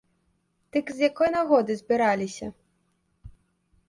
Дык з якой нагоды збіраліся?